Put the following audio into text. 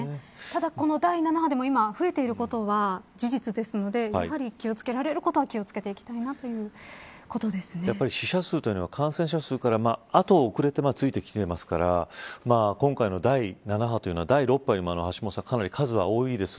ただこの第７波でも今増えていることは事実ですのでやはり気を付けられることは気を付けていきたいなやっぱり死者数は感染者数から後を遅れてついてきてますから今回の第７波というのは第６波よりもかなり数は多いです。